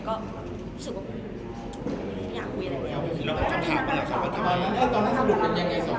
ก็รู้สึกว่าทุกคนอยากคุยอะไรก็คิด